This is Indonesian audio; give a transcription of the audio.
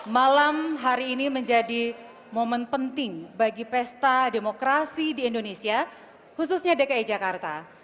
malam hari ini menjadi momen penting bagi pesta demokrasi di indonesia khususnya dki jakarta